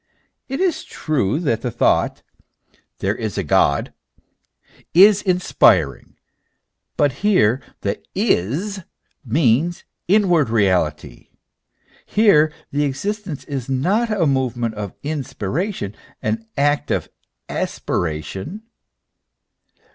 It is true that the thought there is a God, is inspiring ; but here the is means inward reality ; here the existence is a movement of inspiration, an act of aspiration.